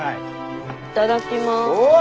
いただきます。